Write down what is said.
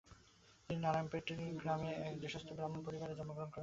তিনি নারায়ণ পেঠ গ্রামে এক দেশস্থ ব্রাহ্মণ পরিবারে জন্মগ্রহণ করেন।